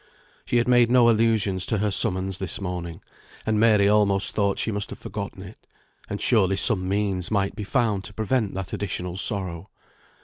She had made no allusion to her summons this morning, and Mary almost thought she must have forgotten it; and surely some means might be found to prevent that additional sorrow.